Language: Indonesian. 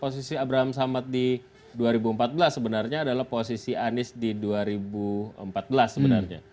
posisi abraham samad di dua ribu empat belas sebenarnya adalah posisi anies di dua ribu empat belas sebenarnya